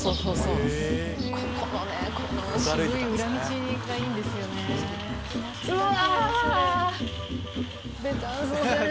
うわ！